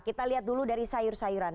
kita lihat dulu dari sayur sayuran